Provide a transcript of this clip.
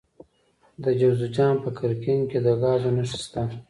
د جوزجان په قرقین کې د ګازو نښې شته.